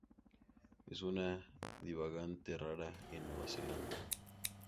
Es una divagante rara en Nueva Zelanda.